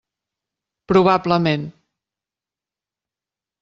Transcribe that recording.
Probablement.